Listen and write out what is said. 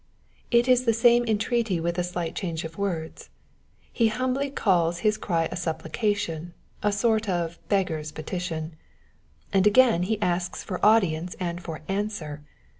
'^^ It is the same entreaty with a slight change of words. He humbly calls his cry a supplication, a sort of beggar^s petition ; and again he asks for audience and for answer.